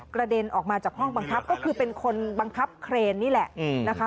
เด็นออกมาจากห้องบังคับก็คือเป็นคนบังคับเครนนี่แหละนะคะ